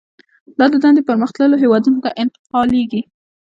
دا دندې پرمختللو هېوادونو ته انتقالېږي